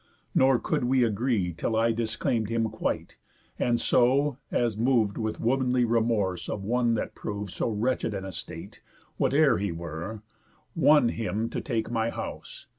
Nor could we agree, Till I disclaim'd him quite; and so (as mov'd With womanly remorse of one that prov'd So wretched an estate, whate'er he were) Won him to take my house.